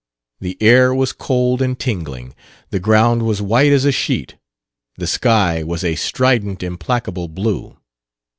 The air was cold and tingling; the ground was white as a sheet; the sky was a strident, implacable blue.